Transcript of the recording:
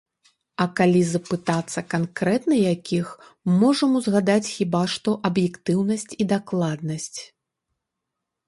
А калі запытацца канкрэтна якіх, можам узгадаць хіба што аб'ектыўнасць і дакладнасць.